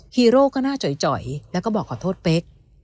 ฮีโร่ก็น่าจ่อยแล้วก็บอกขอโทษเป๊ก